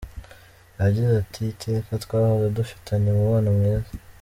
Yagize ati “Iteka twahoze dufitanye umubano mwiza.